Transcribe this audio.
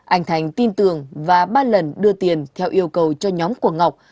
anh thành tin tưởng và ba lần đưa tiền theo yêu cầu cho nhóm của ngọc